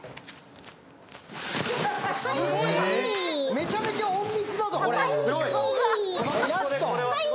めちゃめちゃ隠密だぞ！